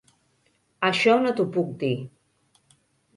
Això no t'ho puc dir.